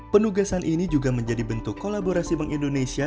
penugasan ini juga menjadi bentuk kolaborasi bank indonesia